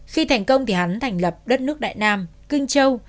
khi thành công thì hắn thành lập đất nước đại nam kinh châu